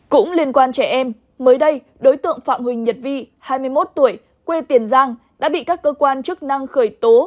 cũng liên quan trẻ em mới đây đối tượng phạm huỳnh nhật vi hai mươi một tuổi quê tiền giang đã bị các cơ quan chức năng khởi tố